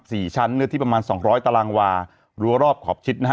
สี่ชั้นเนื้อที่ประมาณสองร้อยตารางวารั้วรอบขอบชิดนะฮะ